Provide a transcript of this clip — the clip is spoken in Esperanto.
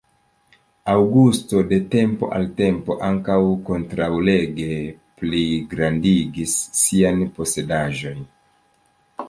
Aŭgusto de tempo al tempo ankaŭ kontraŭleĝe pligrandigis sian posedaĵojn.